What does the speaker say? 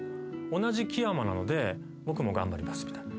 「同じ木山なので僕も頑張ります」みたいな。